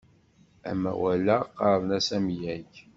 Awal-a, qqaren-as amyag.